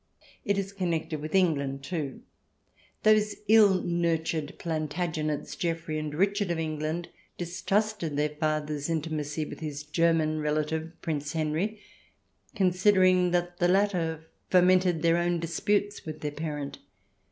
It is connected with England, too. Those ill nurtured Plantagenets, Geoffrey and Richard of England, distrusted their father's intimacy with his German relative, Prince Henry, considering that the latter fomented their own disputes with their parent.